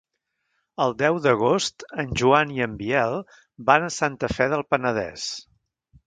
El deu d'agost en Joan i en Biel van a Santa Fe del Penedès.